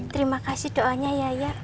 terima kasih doanya yaya